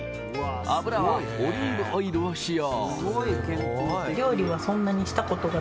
油はオリーブオイルを使用。